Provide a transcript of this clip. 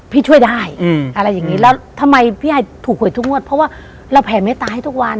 ช่วยได้อะไรอย่างนี้แล้วทำไมพี่ไอถูกหวยทุกงวดเพราะว่าเราแผ่เมตตาให้ทุกวัน